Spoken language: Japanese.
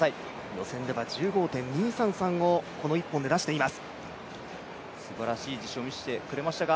予選では、１５．２３３をこの１本で出しています。